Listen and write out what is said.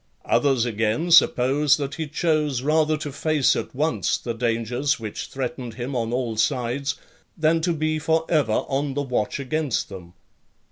Others again suppose, that he chose rather to face at once the dangers which threatened him on all sides, than to be for ever on the watch against them.